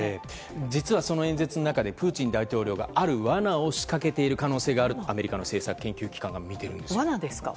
実はその演説の中でプーチン大統領がある罠を仕掛けている可能性があるとアメリカの政策研究機関が罠ですか？